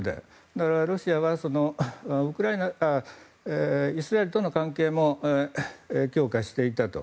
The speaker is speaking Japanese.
だから、ロシアはイスラエルとの関係も強化していたと。